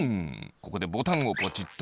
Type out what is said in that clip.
ここでボタンをぽちっと。